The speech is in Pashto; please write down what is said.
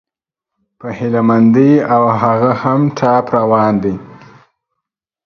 په هيله مندي، او هغه هم ټاپ روان دى